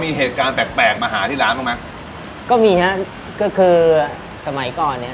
มีเหตุการณ์แปลกมาหาที่ร้านรึไม่มีฮะก็คือสมัยก่อนนี้